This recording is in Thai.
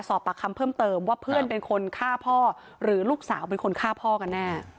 สอบปากคำเพิ่มเติมว่าเพื่อนเป็นคนฆ่าพ่อหรือลูกสาวเป็นคนฆ่าพ่อกันแน่